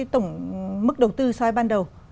tổng mức đầu tư so với ban đầu